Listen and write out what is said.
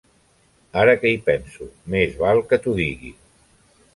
Ara que hi penso, més val que t'ho digui.